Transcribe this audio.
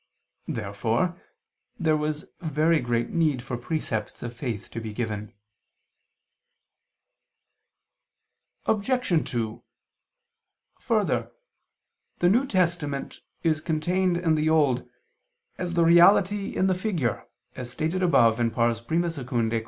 Therefore there was very great need for precepts of faith to be given. Obj. 2: Further, the New Testament is contained in the Old, as the reality in the figure, as stated above (I II, Q.